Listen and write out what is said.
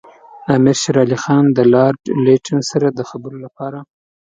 امیر شېر علي خان د لارډ لیټن سره د خبرو لپاره.